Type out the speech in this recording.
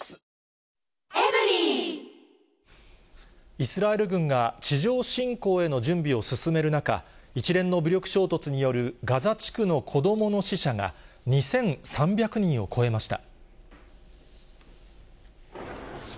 イスラエル軍が地上侵攻への準備を進める中、一連の武力衝突によるガザ地区の子どもの死者が、２３００人を超えました。